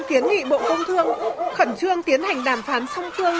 tiến nghị bộ công thương khẩn trương tiến hành đàm phán song thương